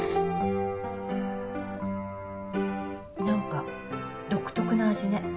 何か独特な味ね